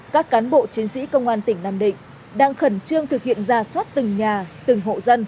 các cán bộ chiến sĩ công an tỉnh nam định đang khẩn trương thực hiện ra soát từng nhà từng hộ dân